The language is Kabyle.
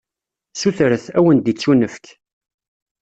Sutret, ad wen-d-ittunefk.